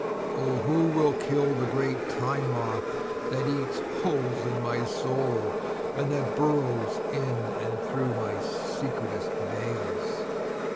(O who will kill the great Time Moth that eats holes in my soul and that burrows in and through my secretest veils!)